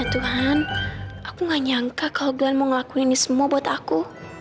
ya tuhan aku gak nyangka kalau glenn mau ngelakuin ini semua buat aku